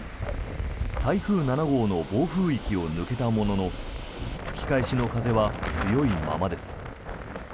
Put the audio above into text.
台風７号の暴風域を抜けたものの吹き返しの風は強いままです。